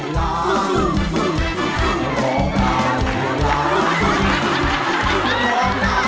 ได้ครับ